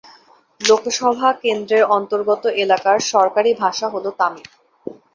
লোকসভা কেন্দ্রের অন্তর্গত এলাকার সরকারি ভাষা হল তামিল।